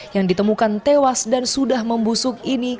yang ditemukan tewas dan sudah membusuk ini